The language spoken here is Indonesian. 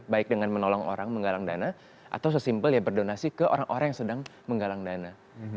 baik dengan menolong orang menggalang dana atau sesimpel ya berdonasi ke orang orang yang sedang menggalang dana